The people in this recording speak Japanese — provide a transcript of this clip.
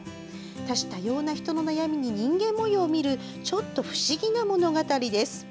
多種多様な人の悩みに人間模様を見るちょっと不思議な物語です。